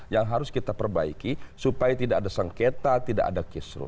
yang harus kita perbaiki supaya tidak ada sengketa tidak ada kisruh